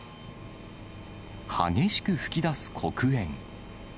激しく噴き出す黒煙。